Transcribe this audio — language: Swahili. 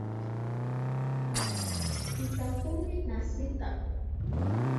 Lita kumi na sita